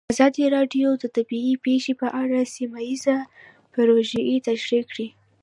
ازادي راډیو د طبیعي پېښې په اړه سیمه ییزې پروژې تشریح کړې.